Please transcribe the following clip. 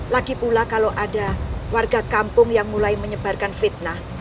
lagipula kalau ada warga kampung yang mulai menyebarkan fitnah